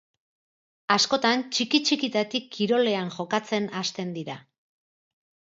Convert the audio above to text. Askotan, txiki-txikitatik kirolean jokatzen hasten dira.